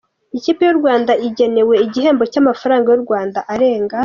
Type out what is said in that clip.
Ikipe y’u Rwanda igenewe igihembo cy’amafaranga y’u Rwanda arenga .